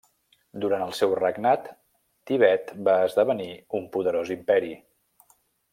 Durant el seu regnat, Tibet va esdevenir un poderós imperi.